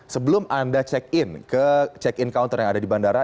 sebelum anda check in ke check in counter yang ada di bandara